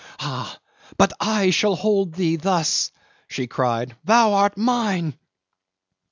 '"Ah! but I shall hold thee thus," she cried. ... "Thou art mine!"